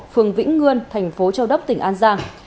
phường vĩnh ngươn thành phố châu đốc tỉnh an giang